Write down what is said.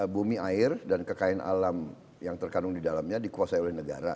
bumi air dan kekayaan alam yang terkandung di dalamnya dikuasai oleh negara